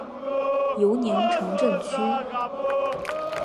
尤宁城镇区。